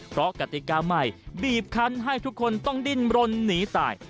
เพราะกติกาใหม่บีบคันให้ทุกคนต้องดิ้นรนหนีตาย